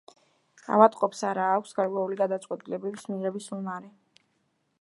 ავადმყოფს არა აქვს გარკვეული გადაწყვეტილების მიღების უნარი.